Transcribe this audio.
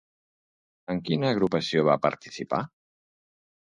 En quina agrupació va participar?